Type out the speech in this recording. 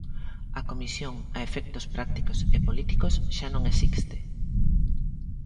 A comisión, a efectos prácticos e políticos, xa non existe.